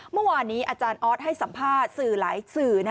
เมื่อวานนี้อาจารย์ออสให้สัมภาษณ์สื่อหลายสื่อ